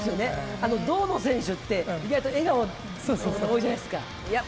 あの銅の選手って意外と笑顔の方多いじゃないですか。